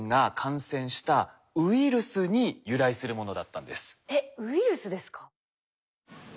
なんとえっウイルスですか？